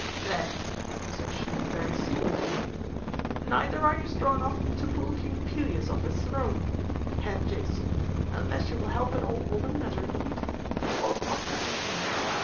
"Then," said she very scornfully, "neither are you strong enough to pull King Pelias off his throne. And, Jason, unless you will help an old woman at her need, you ought not to be a king.